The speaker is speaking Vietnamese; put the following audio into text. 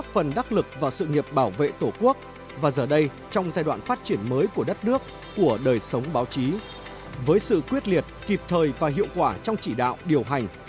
và giờ đây trong giai đoạn phát triển mới của đất nước của đời sống báo chí với sự quyết liệt kịp thời và hiệu quả trong chỉ đạo điều hành